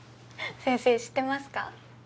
先生知ってますか？